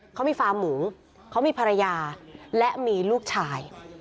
เขามีฟาร์มหมูเขามีภรรยาและมีลูกชาย